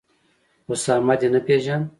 اسامه دي نه پېژاند